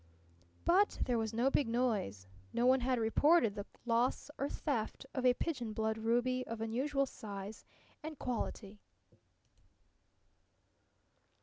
But there was no big noise. No one had reported the loss or theft of a pigeon blood ruby of unusual size and quality.